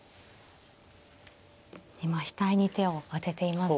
今額に手を当てていますが。